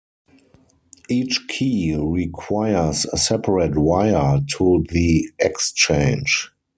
Each key requires a separate wire to the exchange.